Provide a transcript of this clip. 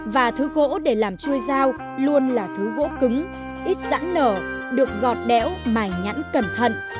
và thứ gỗ để làm chui dao luôn là thứ gỗ cứng ít dãn nở được gọt đéo mài nhẵn cẩn thận